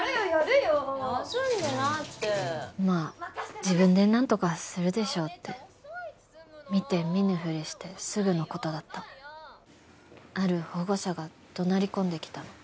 まあ自分で何とかするでしょうって見て見ぬふりしてすぐのことだったある保護者が怒鳴り込んできたの